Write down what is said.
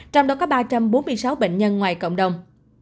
trong đó có ba trăm bốn mươi sáu bệnh nhân ngoài cộng đồng